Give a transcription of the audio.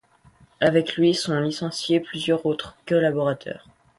Avec lui sont licenciés plusieurs autres collaborateurs.